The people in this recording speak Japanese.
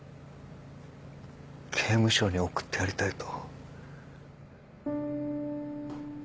刑務所に送ってやりたいと。